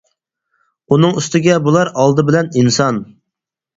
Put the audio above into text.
ئۇنىڭ ئۈستىگە بۇلار ئالدى بىلەن ئىنسان.